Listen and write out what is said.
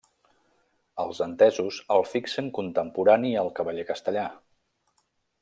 Els entesos el fixen contemporani al cavaller castellà.